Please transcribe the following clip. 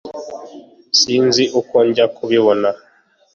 sinzi uko njya kubibona